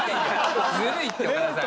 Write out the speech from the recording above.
ずるいって岡田さん。